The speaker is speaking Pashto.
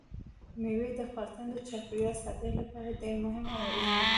مېوې د افغانستان د چاپیریال ساتنې لپاره ډېر مهم او اړین دي.